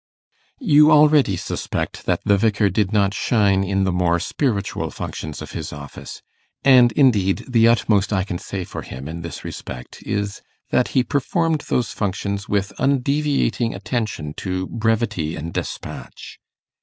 You already suspect that the Vicar did not shine in the more spiritual functions of his office; and indeed, the utmost I can say for him in this respect is, that he performed those functions with undeviating attention to brevity and despatch.